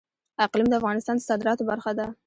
اقلیم د افغانستان د صادراتو برخه ده.